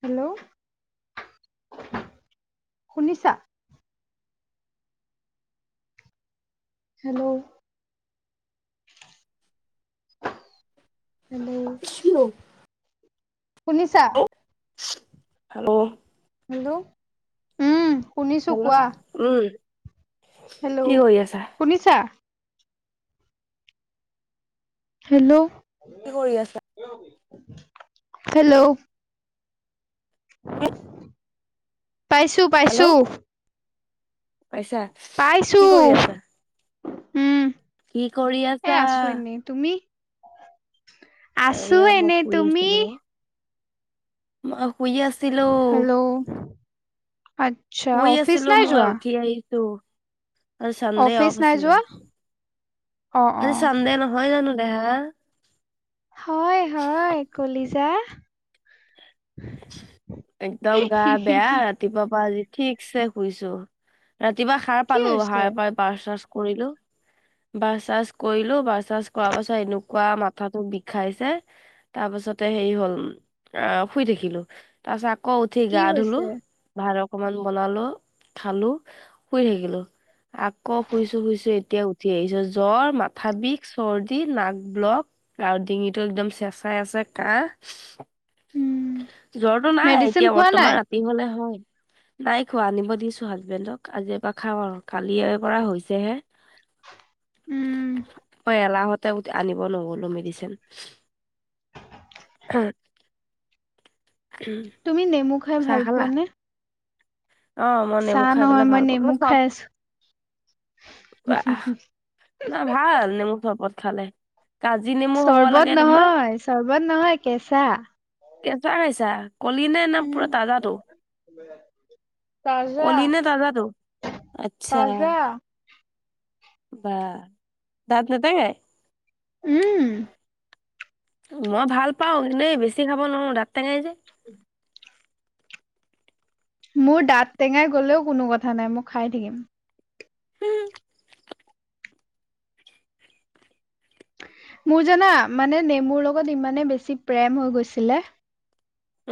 Hello শুনিছা? Hello hello. Hello শুনিছা? Hello. Hello উম। শুনিছো হেল্ল' কোৱা। উম। কি হেল্ল' কৰি আছা? শুনিছা? হেল্ল'। কি কৰি আছা? হেল্ল'। [unintelligible] পাইছো, হেল্ল' পাইছোঁ। পাইছা? কি পাইছো। কৰি আছা? উম। কি কৰি এ আছা? আছো এনেই। তুমি? আছো এয়া মই এনেই। শুই তুমি? আছিলো অ। মই শুই আছিলো। হেল্ল' আচ্ছা শুই অফিচ আছিলো নাই মই যোৱা? উঠি আহিছো। আজি চানডে অফিচ অফ নাই আছিলে। যোৱা? অ অ আজি চানদে নহয় জানো দেহা। হয়, হয় কলিজা। একদম গা বেয়া ৰাতিপুৱা পৰা আজি ঠিকছে শুইছো। ৰাতিপুৱা সাৰ কি পালো হৈছে? সাৰ পাই বাছ- চাছ কৰিলো ব্ৰাছ-চাছ কৰিলো। ব্ৰাছ-চাছ কৰা পাছত এনেকুৱা মাথাটো বিষাইছে। তাৰ পাছত তাৰিছতে হেৰি হল অ' শুই থাকিলো। তাৰ পাছত আকৌ উঠি কি গা ধুলো। হৈছে? ভা অকমান বনালো খালো শুই থাকিলো। আকৌ শুইছো, শুইছো এতিয়া উ কি আহিছ জ্বৰ মাথা বিষ চৰ্দি নাক ব্লক আৰু ডিঙিতটো একদম চেচাই আছে। একা, উম জ্বৰটো নাই মেডিচিন এতিয়া খোৱা বৰ্তমান নাই? ৰাতি হলে হয়। নাই খোৱা আনিব দিছো হাজবেণ্ডক আজিৰ পৰা খাওঁ আৰু কালি পৰা হৈছেহে। উম। আ নো মে তুমি নেমু খাই চাহ ভাল খালা পোৱা নে অ' মনে চাহ মোক খাই নহয় পেলাই ভাল মই পা ন নেমু চ খাই আছো আহ না ভাল নেমু চৰবত খালে, কাজি নেমু হ'ব লাগে চৰ্বত তোমাৰ নহয় চৰ্বত নহয় কেঁচা কেঁচা খাইছা কলি নে নে উম পুৰা তাজাটো। তাজা কলি নে তাজাটো? তাজা, বাহ দাদ নতে গাই, উম। মই ভাল পাও কিন্তু বেছি খাব নোৱাৰো দাঁত টেঙাই যে, উম। মোৰ দাঁত টেঙাই গ'লেও কোনো কথা নাই মই খাই থাকিম। মোৰ জানা মানে নেমুৰ লগত ইমানে বেছি প্ৰেম হৈ গৈছিলে।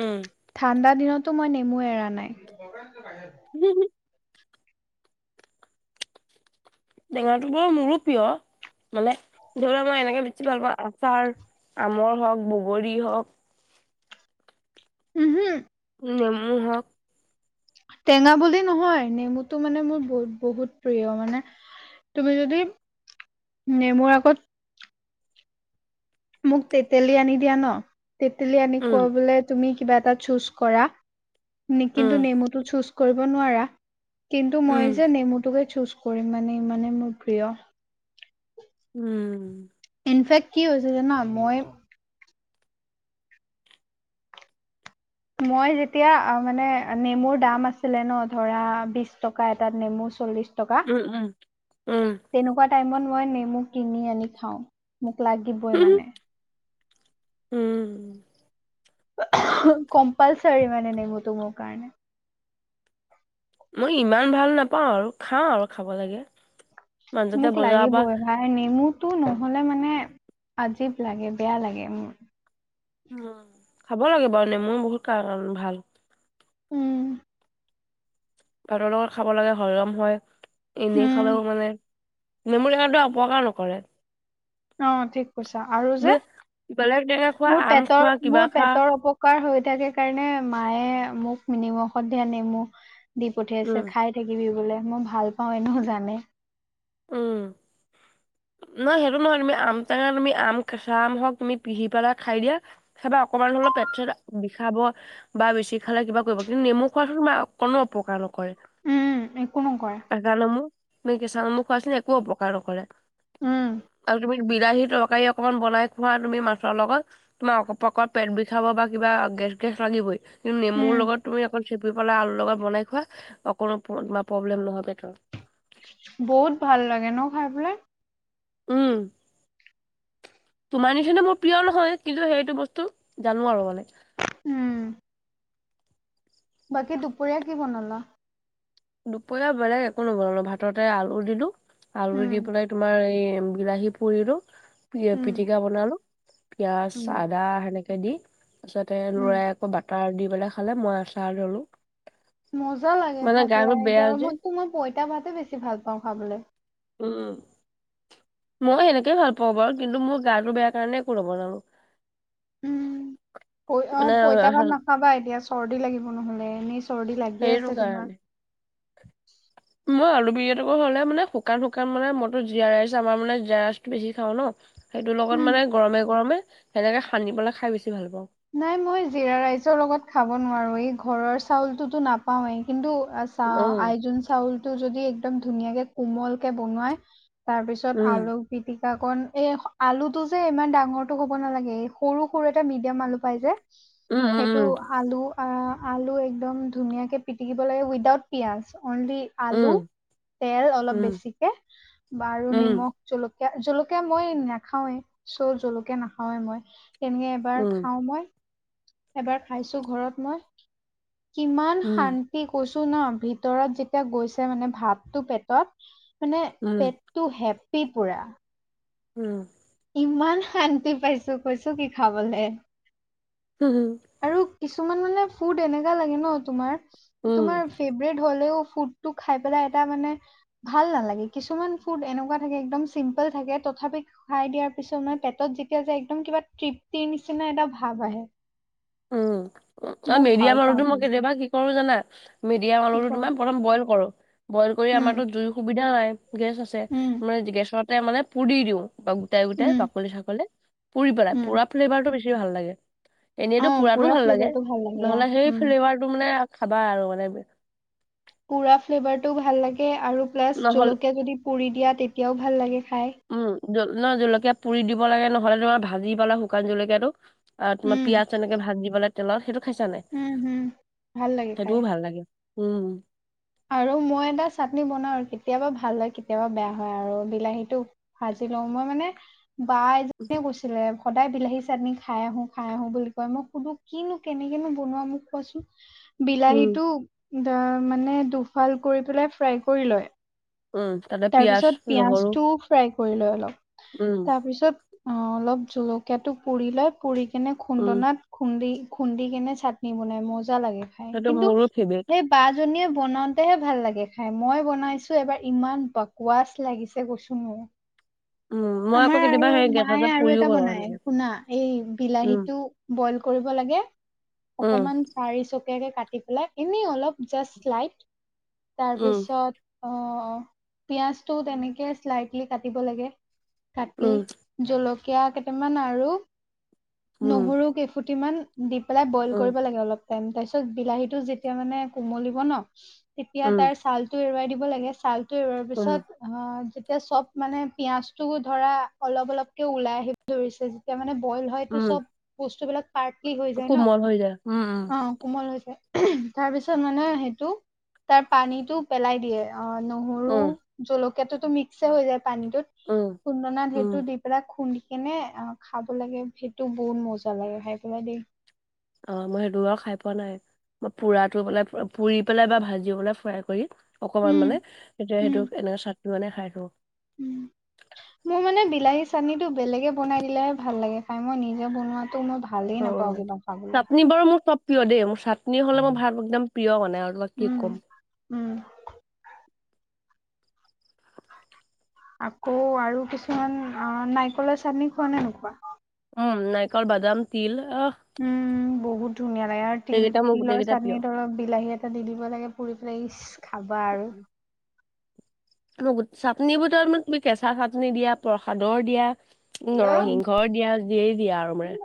উম। ঠাণ্ডা দিনতো মই নেমু এৰা নাই, হম হ টেঙাটো বৰ মোৰো প্ৰিয় মানে ধৰি ল মই এনেকে বেছি ভাল পাওঁ আচাৰ, আমৰ হওক বগৰী হওক উম হুম নেমু হওক টেঙা বুলি নহয় নেমুতটো মানে মোৰ বুত বহুত প্ৰিয় মানে তুমি যদি নেমুৰ আগত, মোক তেতেলি আনি দিয়া ন তেতেলি আনি উম, কৈ বোলে তুমি, কিবা এটা চুজ কৰা উম, কিন্তু নেমুতো চুজ কৰিব নোৱাৰা। কিন্তু মই উম, যে নেমুটোকে চুজ কৰিম মানে ইমানে মোৰ প্ৰিয়। উম। ইনফেক্ট কি হৈছে জান মই মই যেতিয়া মানে নেমুৰ দাম আছিলে ন ধৰা বিশ টকা এটাত নেমু চল্লিছ। উম, উম, উম। টাইমত মই নেমু কিনি আনি খাওঁ। মোক লাগিবই মানে। উম। কম্পালচাৰী মানে নেমোতো মোৰ কাৰণে। মই ইমান ভাল নাপাওঁ আৰু খাওঁ আৰু খাব লাগে। মাজতে মোক বজাৰৰ পৰা লাগিবই ভাই নেমু। টো নহ'লে মানে আজীৱ লাগে বেয়া লাগে। খাব লাগে বাৰু নেমু বহুত কাৰণ ভাল। উম। ভাতৰ লগত খাব লাগে হৰিৰম হয় এনেই উম খালেও মানে। নেমুুৰ এখটো অপকাৰ নকৰে। অ' ঠিক কৈছা আৰু যে তুমি বেলেগ টেঙা খোৱা মোৰ আম খোৱা পেটৰ কিবা মোৰ খা পেটৰ অপকাৰ হৈ। থাকে কাৰণে মায়ে মোক নিনিমখত দিয়া নেমু। দি পঠিয়াইছে উম খাই থাকিবি বোলে মই ভাল পাওঁ এনেও জানে। উম। নহ সেইটো নহয় তুমি আম টেঙা তুমি আম কেঁচা আম হওক তুমি পিহি পেলা খাই দিয়া। সেইবা অকণমান হ'লে পেট খাব বা বেছি খালে কিবা কৰিব কিন্তু নেমু খোৱাাতটো অ কোনো অপকাৰ নকৰে। উম একো নকৰে কৰে [unintelligible] কেঁচা নেমু খোৱাছিলে একো অপকাৰ নকৰে। উম আৰু তুমি। বিলাহী তৰকাৰী অকনমান বনাই খোৱা তুমি মাছৰ লগত তোমাৰ অপকট পেট বিষাব বা কিবা। গেছ গেছ লাগিবই কিন্তু উম নেমুৰ লগত তুমি অ। চেপি পেলাই আলু লগত বনাই খোৱা অকো প্ৰব্লেম নহয়। বহুত ভাল লাগে ন খাই পেলাই। উম, তোমাৰ নিচনা মোৰ প্ৰিয় নহয় কিন্তু সেইটো বস্তু জানো আৰু মানে। উম। বাকী দুপৰীয়া কি বনালা? দুপৰীয়া বেলেগ একো নবনালো ভাততে আলু দিলো আলু উম দি পেলাই তোমাৰ এই। বিলাহী পুৰিলো উম পিটিকা বনালো। পিয়াজ উম আদা সেনেকে দি তাৰ পিছতে উম ল'ৰাই আকৌ বাটাৰ দি। বেলা খালে মই আ চাৰ ললো। মজা লাগে মানে খাই গাটো পেলাই বেয়া যে গৰমততো মই পইতা ভা বেছি ভাল পাওঁ খাবলৈ। উম। মই সেনেকেইে ভাল পাওঁ বাৰু। কিন্তু মোৰ গাটো বেয়া কাৰণে একো বনালো। উম অ মানে পইতা অ, ভাত নাখাবা এতিয়া চৰ্দি লাগিব নহ'লে এ। চৰ্দি লাগি সেইটো আছে তোমাৰ। কাৰণে। মই আলু বিৰিয়াাতটো হ'লে মানে শুকান শুকানে মইতো জীয়াৰা ৰাইচ আমাৰ মানে জিৰা ৰাইচতো বেছি খাওঁ ন। সেইটোৰ লগত উম মানে গৰমে গৰমে সেনেকে সানি পেলাই খাই বেছি ভাল পাওঁ। নাই মই জিৰা ৰাইচৰ লগত খাব নোৱাৰো এই ঘৰৰ চাউলটোতো নাপাওঁৱেই কিন্তু। চা উম। আইজোন চাউলটো যদি একদম ধুনীয়াকে কোমল কে বনোৱাই তাৰ পিছত উম, আলু পিটিকা। অকন এই আলু টো যে ইমান ডাঙৰটো হ'ব নালাগে এই সৰু সৰু এটা মিডিয়াম আলু পাই যে। উম, সেইটো উম, আলু। অ' আলু একদম ধুনীয়াকে পিটিকিব লাগে উইদাউট পিয়াজ। অনলি আলু উম, তেল অলপ উম, বেছিকে। বাৰু উম, নিমখ জলক জলকীয়া মই নাখাওঁৱে। চৌ জলুকীয়া নাখাওঁৱে মই। তেনেকে এবাৰ উম, খাওঁ মই এবাৰ খাইছোঁ ঘৰত মই। কিমান উম, শান্তি কৈছ টো ন ভিতৰত যেতিয়া গৈছে মানে ভাতটো পেটত, মানে উম, উম, পেটতটো হেপ ত্ৰিপুৰা। উম। ইমান শান্তি পাইছো কৈছো কি খাবলে, হো, হো। আৰু কিছুমান মানে ফুড এনেকা লাগে ন তোমাৰ, উম। তোমাৰ ফেভৰেট হ'লেও ফুডটো খাই পেলাই এটা মানে ভাল নালাগে। কিছুমান ফুড এনেকুৱা থাকে একদম চিম্পল থাকে। তথাপি খুৱাই দিয়াৰ পিছত ইমান পেটত যেতিয়া যাই, একদম কিবা তৃপ্তি নিচিনা এটা ভাৱ আহে। উম। আৰু মই ভাল মিডিয়াম পাওঁ আলুটো মই তুমি কেতিয়াবা কি কৰো জানা। মিডিয়াম কি আলুটো কৰা তোমাৰ প্ৰথম বইল কৰোঁ। বইল কৰি উম আমাৰতো জুইৰ সুবিধা নাই। গেছ আছে উম মানে গেছতে মানে পুৰি দিও, বা গোটাই গোটাই উম বাকলি-চাকলি পুৰি পেলাই। উম পোৰা ফ্লেভাৰতটো বেছি ভাল লাগে। অ এনেইটো পোৰাটো পুৰা ভাল লাগে। ফ্লেভাৰটো ভাল লাগে আ নহ'লে সেই উম ফ্লেভাৰটো মানে খাবা আৰু মানে। পুৰা ফ্লেভাৰটো ভাল লাগে আৰু প্লাছ নহ'লে জলকীয়া যদি পুৰি দিয়া তেতিয়াও ভাল লাগে। খায়। উম, ন জলকীয়া পুৰি দিব লাগে নহ'লে তোমাৰ ভাজি পালাই শুকান জলকীয়াটো। আৰু তোমাৰ উম। পিয়াঁজ তেনেকে ভাজি পাই তেলত, সেইটো খাইছা নে নাই? উম হুম ভাল লাগে খাই সেইটো ভাল লাগে। উম, আৰু মই এটা চাটনি বনাও কেতিয়াবা ভাল হয় কেতিয়াবা বেয়া হয় আৰু বিলাহীতটো খ যায়, মই মানে বা এজনীয়ে কৈছিলে সদায় বিলাহী চাটনি খাই আহোঁ খাই আহোঁ বুলি কয়। মই সুধো কিনো কেনেকেনো বনোৱা মোক কোৱাচোন। উম, বিলাহীটো মানে দুফাল কৰি পেলাই ফ্ৰাই কৰি লয়। উম তাতে তাৰ পিয়াজ, পিছত নহৰু পিয়াঁজটো ফ্ৰাই কৰি লৈ লক উম, তাৰ পিছত অ' অলপ জলকীয়াটো পুৰি লৈ এনে উম, খুন্দনাত খুন্দি খুন্দি কেনে চাটনি বনাই ম' মজা লাগে খাই সেইটো কিন্তু মোৰো ফেভৰেট। সেই বা, বাৰ জনীয়ে বনাওতেহে ভাল লাগে খাই মই বনাইছো এবাৰ ইমান বকৱাচ লাগিছে কৈছো মই, উম, মই আকৌ আমাৰ কেতিয়াবা আৰু সেই গেছৰ মায়ে যে আৰু পুৰিও এটা বনাও বনায় সেনেকে। শুনা এই বিলাহী উম, টো বইল কৰিব লাগে উম, অকমান ফাই, ধুনীয়াকে কাটি পেলাই এনেই অলপ জাষ্টলাইত উম, তাৰপিছত, অ' অ' পিয়াজটো তেনেকে শ্লাইটলি কাটিব লাগে কাটি উম, জলকীয়া কেইটামান আৰু উম, নহৰু কেইফুটি মান, দি পেলাই বইল উম, কৰিব লাগে অলপ টাইম তাৰপিছত বিলাহীটো যেতিয়া মানে কোমলিব ন' তেতিয়া উম, তাৰ ছাল টো এৰুৱাই দিব লাগে ছাল টো এৱাৰ উম, পিছত অ' এতিয়া চব মানে পিয়াজ টোও ধৰা অলপ অলপকে ওলাই আহিব ধৰিছে যেতিয়া মানে বই। উম, চব বস্তুবলাক পাৰ্টলি হৈ যায় ন কোমল হৈ যায়। উম, উম, অ কোমল হৈ যায়। তাৰ পিছত মানে সেইটো তাৰ পানীতটো পেলাই দিয়ে। অ', নহৰু উম, জলকীয়াাতটোতো মিক্সে হৈ যায়। পানীতত উম, খুন্দনা উম, ঢেটো দি পেলাই খুন্দি কেনে অ' খাব লাগে ভ তো বহুত মজা লাগে খাই পেলাই দেই, অ', মই দুৰ খাই পোৱা নাই। পোৰাটো ব পুৰি পেলাই বা ভাজি পেলাই ফ্ৰাই কৰি, অকমান উম, মানে তেতিয়া উম, সেইটোক এনেকে চাট বনাই খাইছোঁ। উম, মোৰ মানে বিলাহী চাটনিটো বেলেগে বনাই দিলে ভাল লাগে খাই, মই নিজে বনোৱাটো মই ভাল অ', চাটনি বাৰু মোৰ প্ৰিয় দেই মোৰ চাটনি হ'লে মই ভাত একদম প্ৰিয় মানে আৰু তমাক কি উম, ক'ম। উম, আকৌ আৰু কিছুমান অ নাৰিকলৰ চাটনি খোৱা নে নোকুৱা উম, নাৰিকল বাদাম তিল অ', উম, বহুত ধুনীয়া লাগে আৰু তিল-তিলৰ প্ৰিয়। চাটন ধৰ বিলাহী এটা দি দিব লাগে পুৰি পেলাই খাবা আৰু। চাকনি বটৰত ম তুমি কেঁচা চাটনি দিয়া প্ৰসাদৰ দিয়া নৰসিংহ দিয়া দিয়েই দিয়া আৰু মানে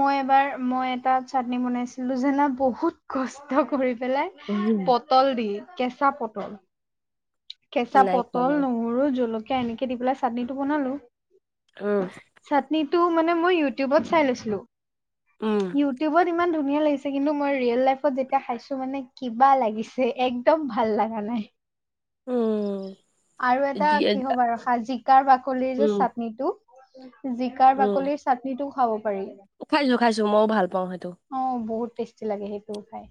মই এবাৰ মই এটা চাটনি বনাইছিলো জানা বহুত কষ্ট কৰি। পেলাই উম। পটল দি কেঁচা পটল কেঁচা নাই খোৱা পটল বাৰু, নহৰু জলকীয়া এনেকে দি পেলাই চাটনিটো বনালো উম, টো মানে ইউটিউব ট চাই লৈছিলো উম, ইউটিউব ইমান ধুনীয়া ধুনিয়া লাগিছে কিন্তু মই ৰিয়েল লাইফত যেতিয়া খাইছো মানে কিবা লাগিছে এক্দম ভাল লগা নাই। উম, আৰু এটা যি কি হ'ব খাৰ জিকাৰ বাকলিৰ যে উম, চাটনিটো। জিকাৰ উম, বাকলিৰ চাটনিটো খাব পাৰি খাইছোঁ খাইছোঁ মইও ভাল পাওঁ সেইটো। অ' বহুত টেষ্টি লাগে সেইটোও খাই।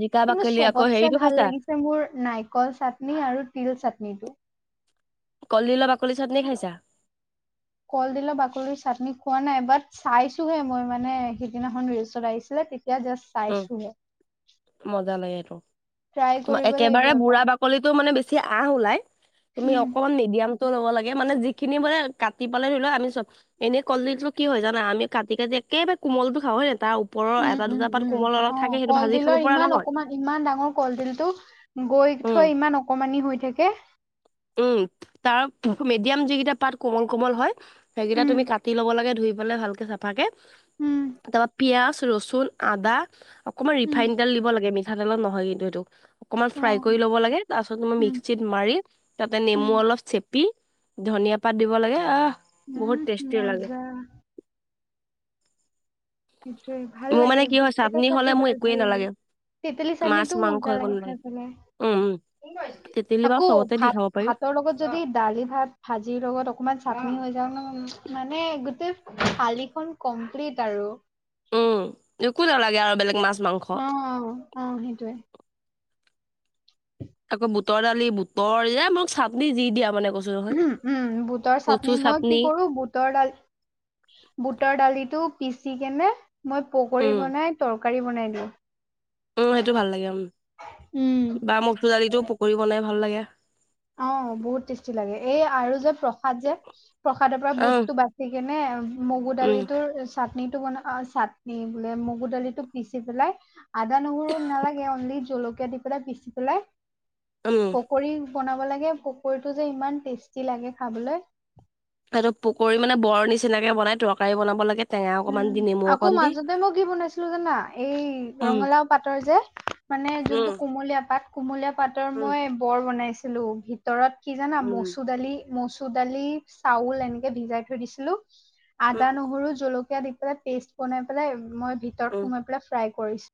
জিকা কিন্তু বাকলি আকৌ চবতছে হেৰিটো ভাল খাইছা, লাগিছে মোৰ নাৰিকল চাট, আৰু তিল চাটনিটো কলডিলৰ বাকলি চাটনি খাইছা? কল দিলে বাকলিৰ চাটনি খোৱা নাই বাট চাইছোহে মই মানে সিদিনাখন ৰিলচত আহিছিলে। জাষ্ট উম, চাইছোহে। মজা লাগে এইটো ট্ৰাই তোমাৰ কৰিব লাগিব একেবাৰে বুঢ়া এবাৰ। বাকলিটো। মানে বেছি আহ ওলাই তুমি উম। অকন মান মিডিয়াম ল'ব লাগে মানে যিখিনি বোলে কাটি পালেই লও আমি চব এনে কলদিলো কি হয় জানা আমি কাটি-কাটি একেবাৰে কোমলটো খা হয় ন তাৰ ওপৰটা দুটা পাত কোমল অলপ উ থাকে সেইটো ভাজি খাব কলডিলৰ পৰা ইমান নহয় অকমান ইমান ডাঙৰ কলডিলটো বৈ থৈ উম ইমান অকমানি হৈ থাকে। উম, তাৰ মিডিয়াম যিকেইটা পাত কোমল-কোমল হয় সেইকেইটা উম, তুমি কাটি ল'ব লাগে ধুই ধুই পেলাই ভাল কে সাফাকে উম, তাৰপিছত পিয়াজ, ৰচুন, আদা, অকণমান উম, ৰিফাইন তেল দিব লাগে মঠতেলত নহয় কিন্তু এইটো অকণমান ফ্ৰাই অ', কৰি ল'ব লাগে তাৰপাছত মই উম, মিক্সিত মাৰি তাতে নেমু উম, অলপ চেপ, পি ধনিয়া পাত দিব লাগে অহ, উম, মজা। নিশ্চয় ভাল মোৰ লাগে মানে কি ব হয় কেইটা হ'লে চাটনি মোৰ একোৱে ভাল-ভাল লাগে। নালাগে তেতেলি মাছ ছাতনিতো মাংস মজা একো লাগে নালাগে খাইপেলাই। উম উম তেতেলী বাৰু আকৌ চবতে দি খাব পাৰি ভাত-ভাতৰ লগত যদি দালি ভাত ভাজিৰ লগত অকমান চাটনি হৈ মানে গোটেই থালিখন কমপ্লিট আৰু উম, একো নালাগে আৰু বেলেগ মাছ মাংস অ-অ-অ সেইটোয়ে আকৌ বুটৰ দালি বুটৰ যে আমাক চাটনি যি দিয়া মানে। কৈছো নহয় উম, বুটৰ চাটনি মই কি কৰো বুটৰ দাল বুটৰ দালিতো পিচি কেনে মই পকৰী উম বনাই তৰকাৰী বনাই দিওঁ। উম, সেইটো ভাল লাগে উম, উম। ববা মচুৰ দালিতটো পকৰি বনাই ভাল লাগে। অ' বহুত টেষ্টি লাগে এই আৰু যে প্ৰসাদ যে প্ৰসাদৰ পৰা উম বুটতটো বাচি কেনে মগু উম দালিটোৰ চাটনিটো ব অ চাটনি বোলে মগু দালি টো পিচি পেলাই আদা নহৰু নালাগে অনলি জলকীয়া দি পেলাই পিচি পেলাই উম পকৰি বনাব লাগে পকৰিটো যে ইমান টেষ্টি লাগে খাবলৈ। তহত পকী মানে বৰ নিচিনাকে বনাই তৰকাৰী বনাব লাগে। টেঙা অকমান উম, দি নেমু আকৌ অকণ দি মাজতে মই কি বনাইছিলো জানা এই উম ৰঙালাও পাটৰ যে মানে যোনটো উম কুমলীয়া পাট কুমলীয়া পাতৰ উম মই বৰ বনাইছিলো ভিতৰত কি জানা উম মচুৰ দালি, মচুৰ দালি চাউল এনেকে ভিজাই থৈ দিছিলো আদা উম নহৰু জলকীয়া, এ দি পেলাই পেষ্ট বনাই পেলাই মই ভিতৰত উম সোমাই পেলাই ফ্ৰাই কৰিছো,